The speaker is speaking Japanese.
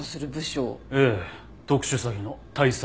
ええ特殊詐欺の対策